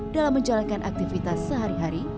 dalam menjalankan aktivitas sehari hari